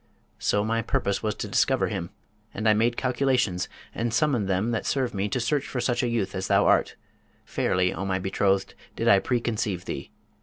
So my purpose was to discover him; and I made calculations, and summoned them that serve me to search for such a youth as thou art; fairly, O my betrothed, did I preconceive thee.